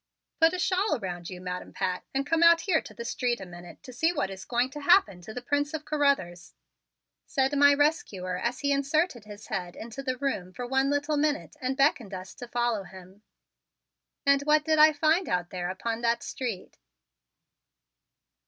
"Put a shawl around you, Madam Pat, and come out here to the street a minute to see what is going to happen to the Prince of Carruthers," said my rescuer as he inserted his head into the room for one little minute and beckoned us to follow him. And what did I find out there upon that street?